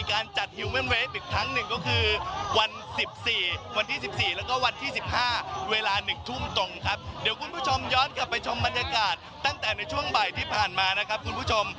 คุณผู้ชมบรรยากาศตั้งแต่ในช่วงบ่ายที่ผ่านมานะครับคุณผู้ชม